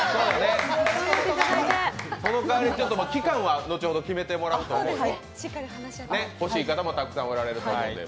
その代わり、期間は後ほど決めてもらうと欲しい方もたくさんおられるので。